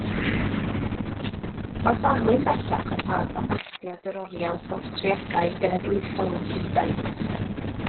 Mae'r darlun bellach yn rhan o gasgliad yr Oriel Bortreadau Genedlaethol yn Llundain.